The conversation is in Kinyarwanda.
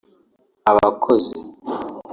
abakozi